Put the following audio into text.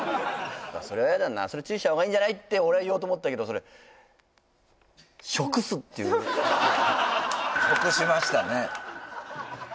「それは嫌だなそれ注意した方がいいんじゃない？」って俺は言おうと思ったけどそれ食しましたね